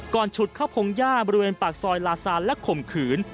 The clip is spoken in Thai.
ฉุดเข้าพงหญ้าบริเวณปากซอยลาซานและข่มขืน